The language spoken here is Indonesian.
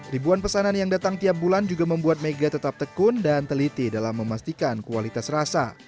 ribuan pesanan yang datang tiap bulan juga membuat mega tetap tekun dan teliti dalam memastikan kualitas rasa